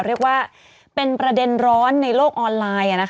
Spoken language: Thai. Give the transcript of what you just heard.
เรียกว่าเป็นประเด็นร้อนในโลกออนไลน์